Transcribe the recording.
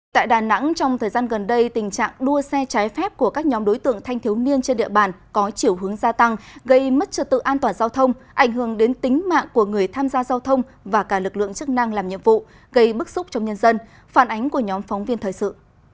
tại đà nẵng trong thời gian gần đây tình trạng đua xe trái phép của các nhóm đối tượng thanh thiếu niên trên địa bàn có chiều hướng gia tăng gây mất trật tự an toàn giao thông ảnh hưởng đến tính mạng của người tham gia giao thông và cả lực lượng chức năng làm nhiệm vụ gây bức xúc trong nhân dân phản ánh của nhóm phóng viên thời sự